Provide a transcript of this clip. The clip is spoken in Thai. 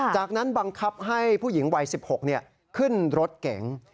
จากนั้นบังคับให้ผู้หญิงวัย๑๖ขึ้นรถเก๋ง